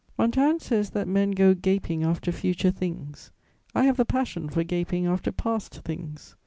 Montaigne says that men go gaping after future things: I have the passion for gaping after past things.